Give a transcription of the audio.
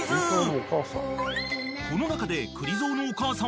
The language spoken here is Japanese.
［この中で］